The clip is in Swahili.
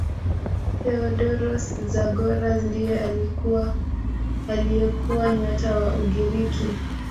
theodoros zagora ndiye aliyekuwa nyota wa ugiriki